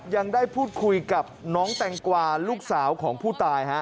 ยังได้พูดคุยกับน้องแตงกวาลูกสาวของผู้ตาย